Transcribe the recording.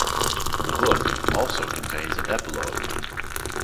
The book also contains an epilogue.